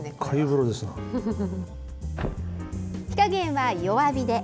火加減は弱火で。